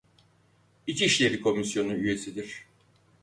İçişleri Komisyonu Üyesidir.